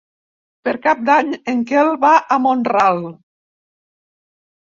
Per Cap d'Any en Quel va a Mont-ral.